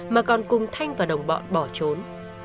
mà còn cùng thanh và đồng bọn bỏ trốn